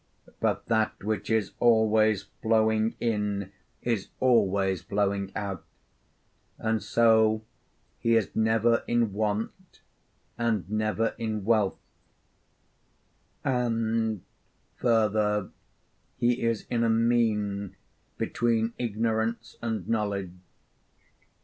But that which is always flowing in is always flowing out, and so he is never in want and never in wealth; and, further, he is in a mean between ignorance and knowledge.